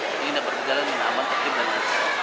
kami ingin berkejalan dengan aman terkini